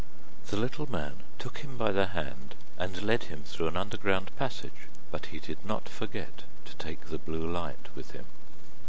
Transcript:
The little man took him by the hand, and led him through an underground passage, but he did not forget to take the blue light with him.